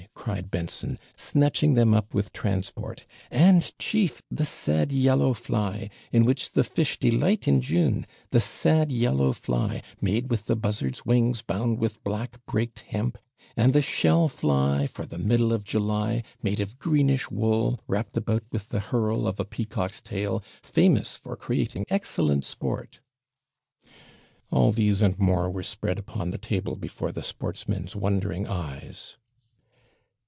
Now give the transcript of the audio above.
cried Benson, snatching them up with transport; 'and, chief, the SAD YELLOW FLY, in which the fish delight in June; the SAD YELLOW FLY, made with the buzzard's wings, bound with black braked hemp, and the SHELL FLY for the middle of July, made of greenish wool, wrapped about with the herle of a peacock's tail, famous for creating excellent sport.' All these and more were spread upon the table before the sportsmen's wondering eyes.